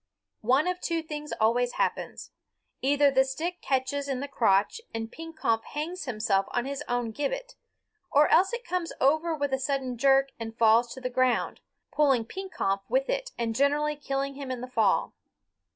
One of two things always happens. Either the stick catches in the crotch and Pekompf hangs himself on his own gibbet, or else it comes over with a sudden jerk and falls to the ground, pulling Pekompf with it and generally killing him in the fall.